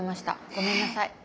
ごめんなさい。